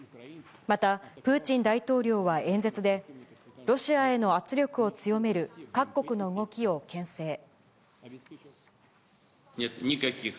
また、プーチン大統領は演説で、ロシアへの圧力を強める各国の動きをけん制。